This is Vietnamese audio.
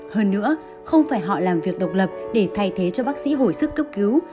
hơn nữa không phải họ làm việc độc lập để thay thế cho bác sĩ hồi sức cấp cứu